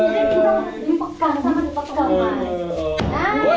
ini kita mau dipegang sama dipegang